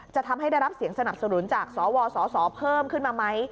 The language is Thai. จะทำให้ได้รับเสียงสนับสนุนจากสวสสเพิ่มขึ้นมาไหม